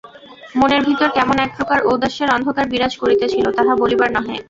মনের ভিতর কেমন এক প্রকার ঔদাস্যের অন্ধকার বিরাজ করিতেছিল, তাহা বলিবার নহে।